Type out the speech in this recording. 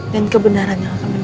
dan kebenaran yang akan menang